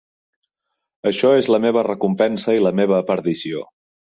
Això és la meva recompensa i la meva perdició.